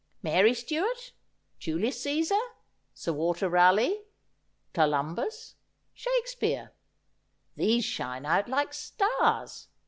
Mary Stuart, Julius Caesar, Sir Walter Raleigh, Columbus, Shakespeare. These shine out like stars.